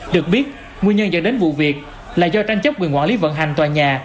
được biết nguyên nhân dẫn đến vụ việc là do tranh chấp quyền quản lý vận hành tòa nhà